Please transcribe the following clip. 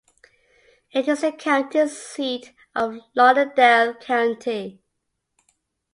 It is the county seat of Lauderdale County.